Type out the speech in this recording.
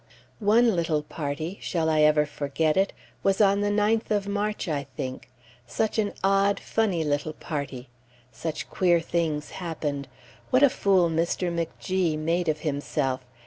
One little party shall I ever forget it? was on the 9th of March, I think; such an odd, funny little party! Such queer things happened! What a fool Mr. McG made of himself!